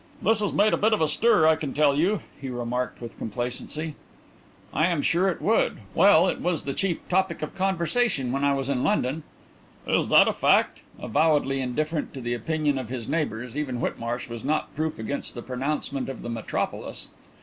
"This has made a bit of a stir, I can tell you," he remarked, with complacency. "I am sure it would. Well, it was the chief topic of conversation when I was in London." "Is that a fact?" Avowedly indifferent to the opinion of his neighbours, even Whitmarsh was not proof against the pronouncement of the metropolis.